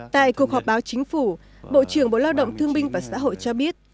tại cuộc họp báo chính phủ bộ trưởng bộ lao động thương binh và xã hội cho biết